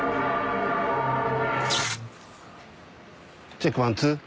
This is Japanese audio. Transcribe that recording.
チェックワンツー。